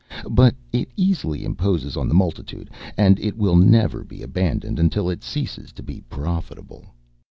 But it easily imposes on the multitude, and it will never be abandoned until it ceases to be profitable.